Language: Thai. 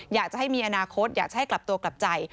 อยากจะให้มีอนาคตอยากจะให้กลับตัวกลับใจ